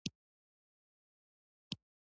له ملا حضرت اخوند زاده څخه یې رسالې راوړې.